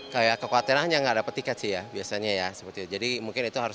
kayak kekuatan hanya enggak ada petiket sih ya biasanya ya seperti jadi mungkin itu harus